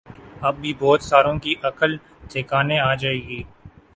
اب بھی بہت ساروں کی عقل ٹھکانے آجائے گی